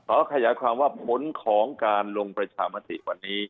ขอขยายความว่าผลของการลงประชามติวันนี้